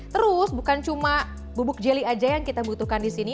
terus bukan cuma bubuk jeli aja yang kita butuhkan di sini